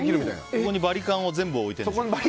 そこにバリカンを全部置いてるんでしょ？